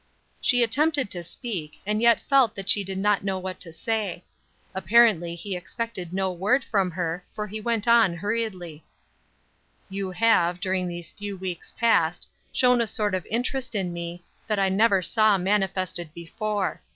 She attempted to speak, and yet felt that she did not know what to say. Apparently he expected no word from her; for he went on hurriedly: "You have, during these few weeks past, shown a sort of interest in me, that I never saw manifested before.